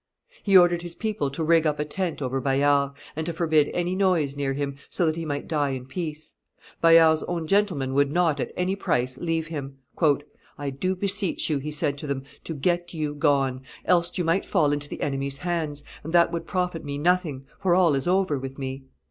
He ordered his people to rig up a tent over Bayard, and to forbid any noise near him, so that he might die in peace. Bayard's own gentlemen would not, at any price, leave him. "I do beseech you," he said to them, "to get you gone; else you might fall into the enemy's hands, and that would profit me nothing, for all is over with me.